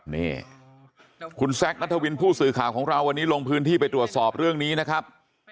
นี่คุณแซคนัทวินผู้สื่อข่าวของเราวันนี้ลงพื้นที่ไปตรวจสอบเรื่องนี้นะครับ